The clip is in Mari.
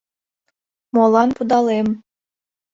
— Молан пудалем?